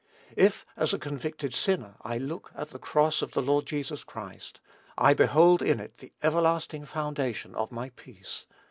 If as a convicted sinner I look at the cross of the Lord Jesus Christ, I behold in it the everlasting foundation of my peace.